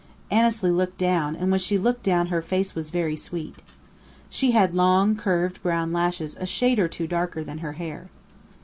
Annesley looked down; and when she looked down her face was very sweet. She had long, curved brown lashes a shade or two darker than her hair.